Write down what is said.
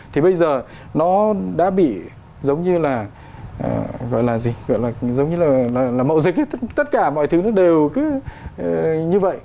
thì bây giờ nó đã bị giống như là gọi là gì gọi là giống như là mậu dịch tất cả mọi thứ nó đều cứ như vậy